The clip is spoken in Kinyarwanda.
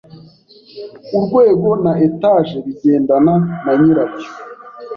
urwego na etage bigendana na nyirabyo